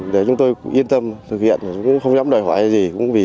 để chúng tôi yên tâm thực hiện không dám đòi hỏi gì